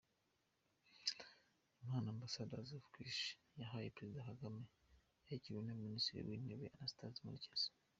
Impano Ambassadors of Christ yahaye Perezida Kagame yakiriwe na Minisitiri w'intebe Anastase Murekezi.